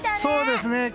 そうですね。